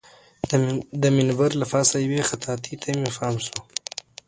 د منبر له پاسه یوې خطاطۍ ته مې پام شو.